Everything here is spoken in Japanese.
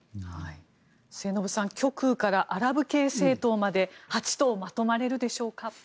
末延さん極右からアラブ系政党まで８党、まとまれるでしょうか？